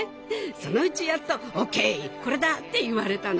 そのうちやっと「オーケーこれだ」って言われたの。